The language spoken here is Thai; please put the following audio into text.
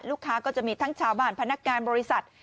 ก็จะมีทั้งชาวบ้านพนักงานบริษัท